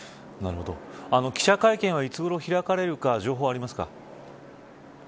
記者会見はいつごろ開かれるか情報はありますか。